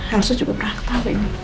rasanya juga berantak ini